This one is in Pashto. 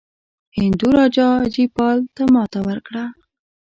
هندو راجا جیپال ته ماته ورکړه.